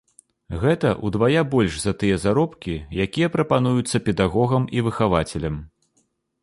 Гэта ўдвая больш за тыя заробкі, якія прапануюцца педагогам і выхавацелям.